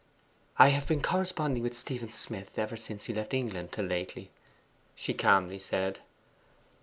'I had been corresponding with Stephen Smith ever since he left England, till lately,' she calmly said.